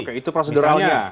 oke itu prosedurnya